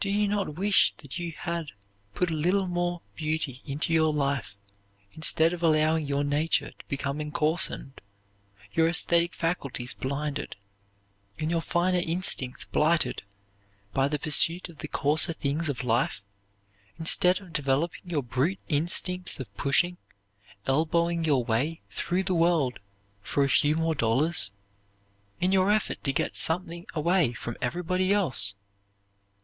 Do you not wish that you had put a little more beauty into your life instead of allowing your nature to become encoarsened, your esthetic faculties blinded and your finer instincts blighted by the pursuit of the coarser things of life, instead of developing your brute instincts of pushing, elbowing your way through the world for a few more dollars, in your effort to get something away from somebody else?